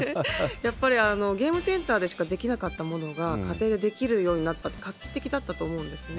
やっぱりゲームセンターでしかできなかったものが、家庭でできるようになったって、画期的だったと思うんですね。